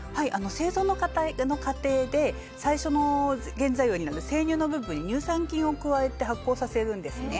製造の過程で最初の原材料になる生乳の部分に乳酸菌を加えて醗酵させるんですね。